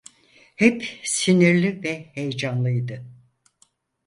Hep sinirli ve heyecanlıydı.